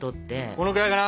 このぐらいかな？